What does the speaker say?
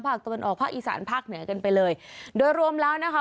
ตะวันออกภาคอีสานภาคเหนือกันไปเลยโดยรวมแล้วนะคะ